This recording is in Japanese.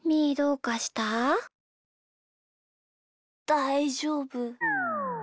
だいじょうぶ。